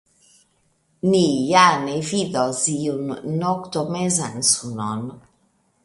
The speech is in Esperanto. Ni ja ne vidos iun noktomezan sunon.